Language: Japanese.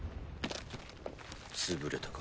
潰れたか。